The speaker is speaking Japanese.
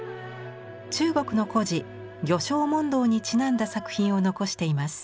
中国の故事「漁樵問答」にちなんだ作品を残しています。